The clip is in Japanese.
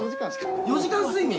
４時間睡眠。